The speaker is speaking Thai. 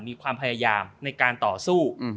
มีความพยายามในการต่อสู้